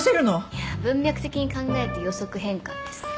いや文脈的に考えて予測変換です。